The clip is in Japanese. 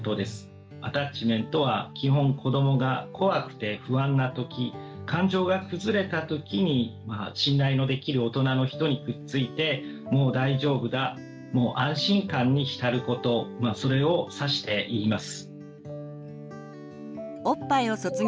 アタッチメントは基本子どもが怖くて不安な時感情が崩れた時に信頼のできる大人の人にくっついてもう大丈夫だ安心感に浸ることそれを指して言います。